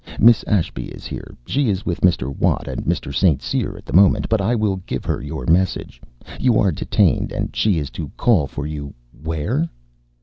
"Miss Ashby is here. She is with Mr. Watt and Mr. St. Cyr at the moment, but I will give her your message. You are detained. And she is to call for you where?"